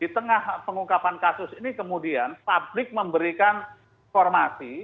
di tengah pengungkapan kasus ini kemudian publik memberikan informasi